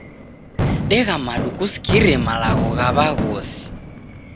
Degha madu kusikire malagho gha w'aghosi.